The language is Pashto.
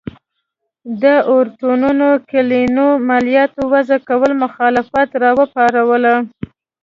د اورتونونو کلنیو مالیاتو وضعه کولو مخالفت راوپاروله.